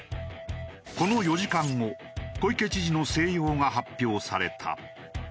この４時間後小池知事の静養が発表された。